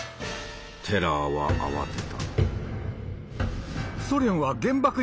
テラーは慌てた。